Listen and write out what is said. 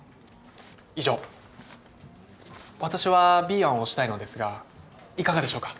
以上私はＢ案を推したいのですがいかがでしょうか？